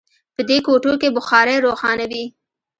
په دې کوټو کې بخارۍ روښانه وي